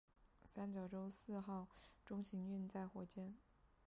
三角洲四号中型运载火箭。